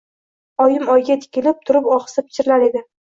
Oyim oyga tikilib turib ohista pichirlar edi.